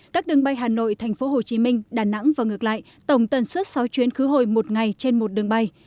các đường bay hà nội tp hcm đà nẵng và ngược lại tổng tần suất sáu chuyến khứ hồi một ngày trên một đường bay